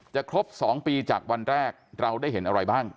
ครบ๒ปีจากวันแรกเราได้เห็นอะไรบ้าง